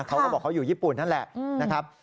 เขาก็บอกเขาอยู่ญี่ปุ่นนั่นแหละนะครับ